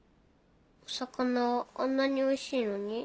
お魚あんなにおいしいのに？